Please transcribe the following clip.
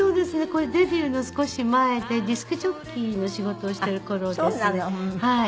これデビューの少し前でディスクジョッキーの仕事をしている頃ですね。